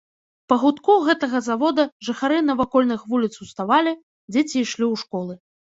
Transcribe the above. Па гудку гэтага завода жыхары навакольных вуліц уставалі, дзеці ішлі ў школы.